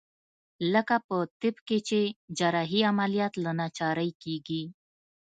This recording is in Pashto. لکه په طب کښې چې جراحي عمليات له ناچارۍ کېږي.